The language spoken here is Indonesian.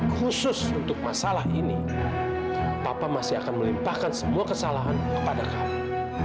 khusus untuk masalah ini papa masih akan melimpahkan semua kesalahan kepada kami